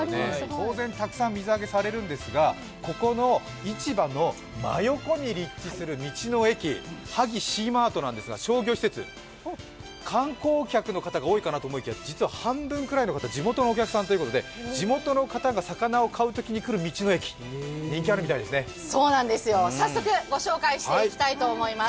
当然、たくさん水揚げされるんですがここの市場の真横に位置する道の駅・萩しーまーとなんですが商業施設、観光客の方が多いかなと思いきや、実は半分くらいの方、地元のお客さんということで、地元の方が魚を買うときに来る道の駅、早速ご紹介していきたいと思います。